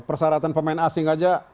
persyaratan pemain asing aja